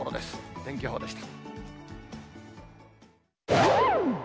天気予報でした。